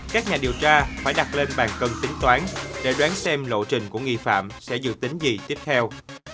các nhà điều tra phải đặt lên bàn cần tính toán để đoán xem lộ trình của nghi phạm sẽ dự tính gì tiếp theo